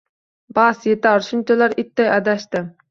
Bas, yetar shunchalar itday adashdim